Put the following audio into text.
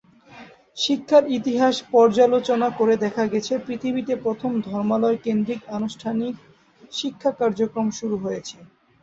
শিক্ষার ইতিহাস পর্যালোচনা করে দেখা গেছে, পৃথিবীতে প্রথম ধর্মালয় কেন্দ্রিক আনুষ্ঠানিক শিক্ষা কার্যক্রম শুরু হয়েছে।